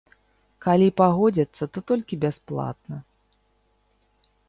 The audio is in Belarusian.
Калі пагодзяцца, то толькі бясплатна.